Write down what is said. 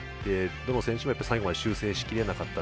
どの選手も最後まで修正しきれなかった。